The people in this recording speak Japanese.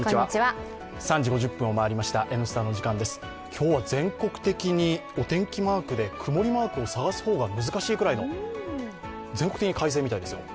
今日は全国的にお天気マークで曇りマークを探すほうが難しいぐらいの、全国的に快晴みたいですよ。